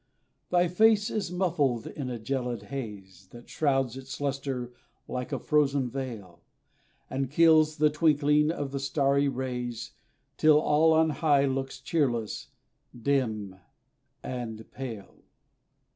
Thy face is muffled in a gelid haze, That shrouds its lustre like a frozen veil; And kills the twinkling of the starry rays, Till all on high looks cheerless, dim, and pale.